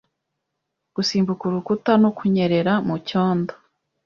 gusimbuka urukuta no kunyerera mucyondo